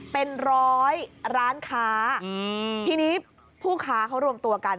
เป็นร้อยร้านค้าทีนี้ผู้ค้าเขารวมตัวกัน